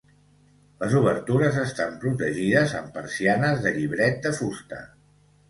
Les obertures estan protegides amb persianes de llibret de fusta.